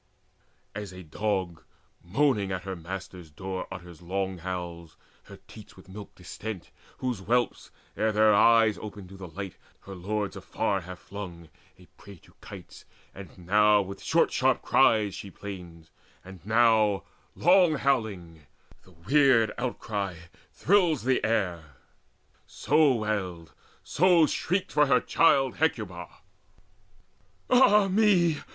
As a dog moaning at her master's door, Utters long howls, her teats with milk distent, Whose whelps, ere their eyes opened to the light, Her lords afar have flung, a prey to kites; And now with short sharp cries she plains, and now Long howling: the weird outcry thrills the air; So wailed and shrieked for her child Hecuba: "Ah me!